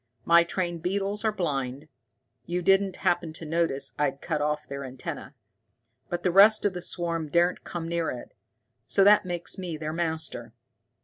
My trained beetles are blind you didn't happen to notice I'd cut off their antenna? But the rest of the swarm daren't come near it. So that makes me their master.